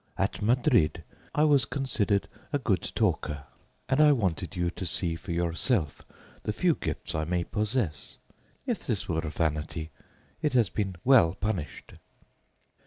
At Madrid I was considered a good talker, and I wanted you to see for yourself the few gifts I may possess. If this were vanity, it has been well punished.